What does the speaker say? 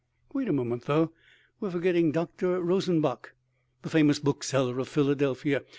Wait a moment, though, we are forgetting Dr. Rosenbach, the famous bookseller of Philadelphia.